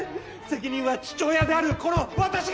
責任は父親であるこの私が！